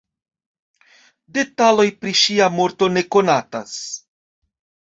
Detaloj pri ŝia morto ne konatas.